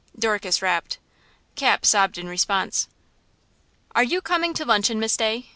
Dorcas rapped. Cap sobbed in response. "Are you coming to luncheon, Miss Day?"